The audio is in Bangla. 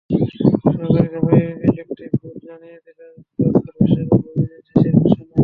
সহকারী রেফারির ইলেকট্রিক বোর্ড জানিয়ে দিল ক্লোসার বিশ্বকাপ অভিযান শেষের ঘোষণা।